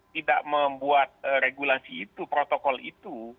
tidak membuat regulasi itu protokol itu